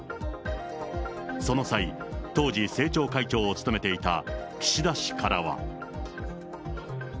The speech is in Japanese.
その際、当時政調会長を務めていた岸田氏からは。